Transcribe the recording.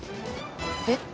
えっ？